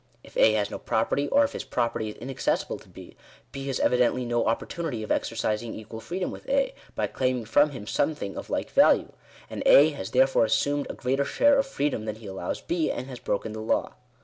If A has no pro perty, or if his property is inaccessible to B, B has evidently no opportunity of exercising equal freedom with A, by claiming from him something of like value ; and A has therefore assumed a greater share of freedom than he allows B, and has broken the law.